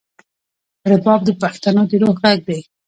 رباب د پښتنو د روح غږ دی.